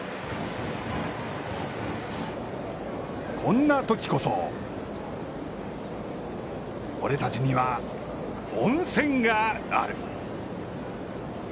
こんなときこそ俺たちには温泉がある。